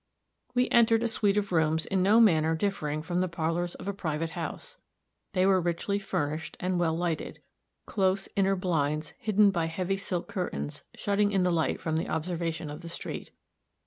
We entered a suit of rooms in no manner differing from the parlors of a private house. They were richly furnished and well lighted, close inner blinds, hidden by heavy silk curtains, shutting in the light from the observation of the street.